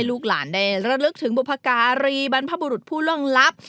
ลูกหลานได้ระลึกถึงบุพการีบรรพบุรุษผู้ล่วงลับ